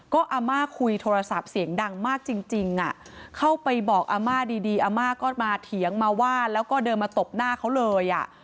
ก็อาม่าคุยโทรศัพท์เสียงดังมากจริงเข้าไปบอกอาม่าดีอาม่าก็มาเถียงมาว่าแล้วก็เดินมาตบหน้าเขาเลย